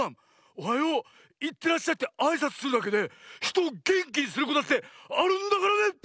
「おはよう」「いってらっしゃい」ってあいさつするだけでひとをげんきにすることだってあるんだからね！